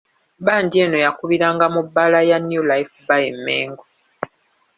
Bbandi eno yakubiranga mu bbaala ya New Life bar e Mmengo.